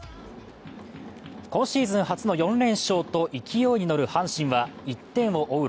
今シーズン初の４連勝と勢いに乗る阪神は、１点を追う